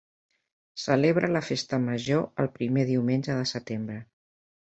Celebra la festa major el primer diumenge de setembre.